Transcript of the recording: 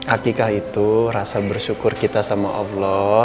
atikah itu rasa bersyukur kita sama allah